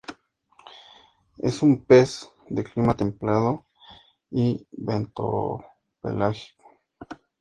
Es un pez de clima templado y bentopelágico.